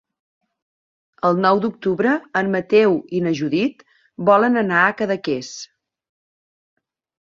El nou d'octubre en Mateu i na Judit volen anar a Cadaqués.